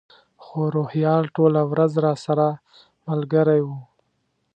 خو روهیال ټوله ورځ راسره ملګری و.